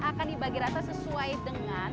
akan dibagi rasa sesuai dengan